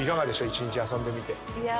一日遊んでみて。